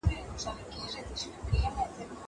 زه له سهاره مړۍ خورم!